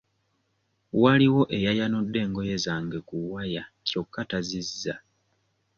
Waliwo eyayanudde engoye zange ku waya kyokka tazizza.